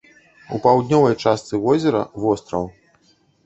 У паўднёвай частцы возера востраў.